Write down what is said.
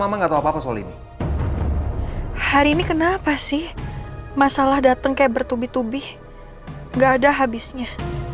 mama nggak tahu apa apa soal ini hari ini kenapa sih masalah datang kayak bertubih tubih nggak ada